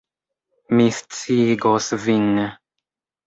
Mi sciigos vin.